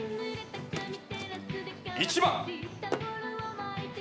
１番。